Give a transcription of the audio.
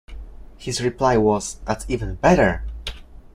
His reply was, That's even better!